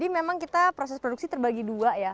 memang kita proses produksi terbagi dua ya